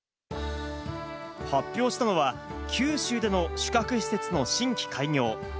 発表したのは、九州での宿泊施設の新規開業。